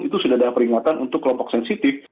itu sudah ada peringatan untuk kelompok sensitif